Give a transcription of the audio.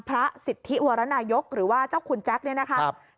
พระสิทธิวรนายกหรือว่าเจ้าคุณแจ๊คเนี่ยนะครับ